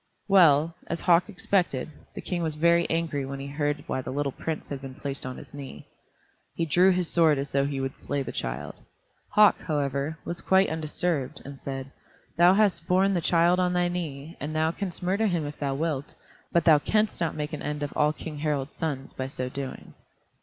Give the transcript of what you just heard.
Well, as Hauk expected, the King was very angry when he heard why the little prince had been placed on his knee. He drew his sword as though he would slay the child. Hauk, however, was quite undisturbed, and said, "Thou hast borne the child on thy knee, and thou canst murder him if thou wilt, but thou canst not make an end of all King Harald's sons by so doing."